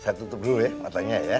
saya tutup dulu ya matanya ya